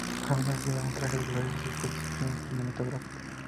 A menudo llevaba un traje de gorila en sus actuaciones cinematográficas.